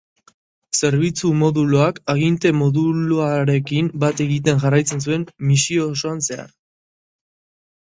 Zerbitzu-moduluak aginte-moduluarekin bat egiten jarraitzen zuen misio osoan zehar.